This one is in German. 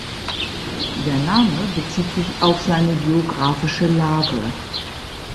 Der Name bezieht sich auf seine geografische Lage.